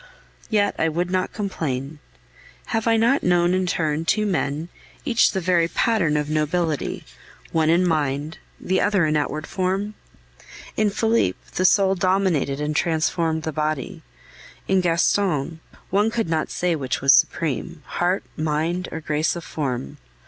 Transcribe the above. "Yet I would not complain. Have I not known in turn two men, each the very pattern of nobility one in mind, the other in outward form? In Felipe, the soul dominated and transformed the body; in Gaston, one could not say which was supreme heart, mind, or grace of form.